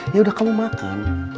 yaudah kamu makan